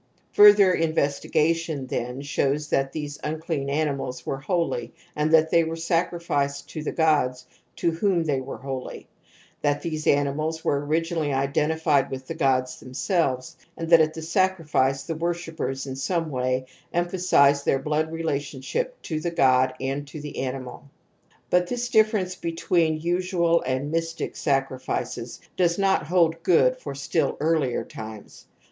JFiirthey investigation then shows that these ^^de^ animals were id that they were samHced to the gods to they were holy, that these animals were originally identified with the gods themselves and that at the sacrifice the worshippers in some way emphasized their blood relationship to the god and to the animal. But this difference between usual and * mystic ' sacrifices does not hold good for stiU earlier times.